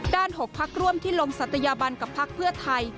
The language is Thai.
๖พักร่วมที่ลงศัตยาบันกับพักเพื่อไทย